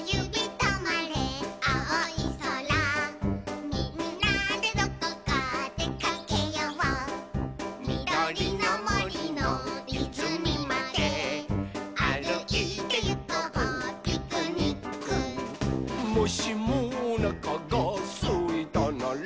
とまれあおいそら」「みんなでどこかでかけよう」「みどりのもりのいずみまであるいてゆこうピクニック」「もしもおなかがすいたなら」